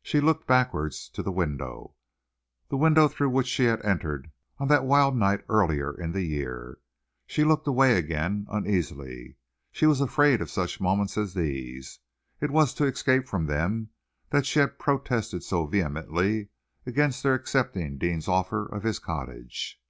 She looked backwards to the window, the window through which she had entered on that wild night earlier in the year. She looked away again uneasily. She was afraid of such moments as these. It was to escape from them that she had protested so vehemently against their accepting Deane's offer of his cottage.